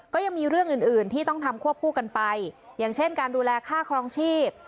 ก็ยังมีเรื่องอื่นอื่นที่ต้องทำควบคู่กันไปอย่างเช่นการดูแลค่าครองชีพ